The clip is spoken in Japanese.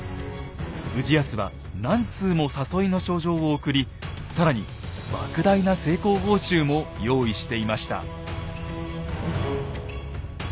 氏康は何通も誘いの書状を送り更に莫大な成功報酬も用意していました。